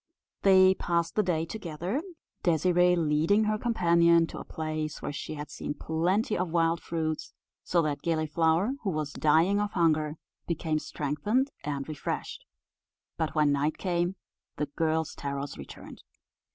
They passed the day together, Désirée leading her companion to a place where she had seen plenty of wild fruits; so that Gilliflower, who was dying of hunger, became strengthened and refreshed. But when night came, the girl's terrors returned.